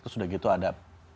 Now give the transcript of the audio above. terus udah gitu ada